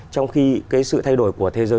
trong khi cái sự thay đổi của thế giới